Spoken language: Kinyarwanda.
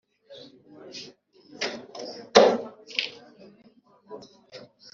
ari umugore cyangwa umugabo mu rugo buri wese